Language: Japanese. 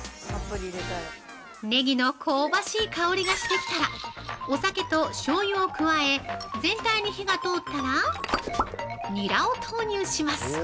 ◆ネギの香ばしい香りがしてきたらお酒としょうゆを加え全体に火が通ったらニラを投入します！